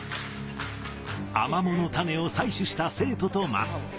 アマモの種を採取した生徒と桝。